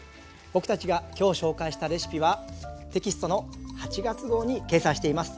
僕たちが今日紹介したレシピはテキストの８月号に掲載しています。